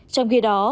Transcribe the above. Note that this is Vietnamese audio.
trong khi đó